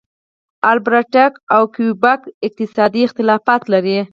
البرټا او کیوبیک اقتصادي اختلافات لري.